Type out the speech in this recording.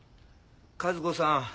和子さん。